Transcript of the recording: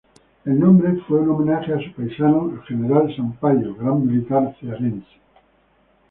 El nombre fue un homenaje a su paisano General Sampaio, gran militar cearense.